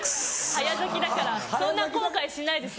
早咲きだからそんな後悔しないです。